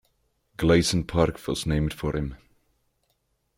Gleason Park was named for him.